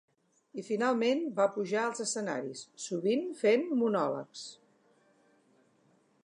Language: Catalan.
I finalment va pujar als escenaris, sovint fent monòlegs.